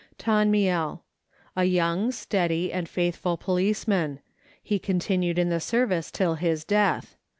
Tonmiel. A young, steady, and faithful policeman ; he con tinued in the service till his death.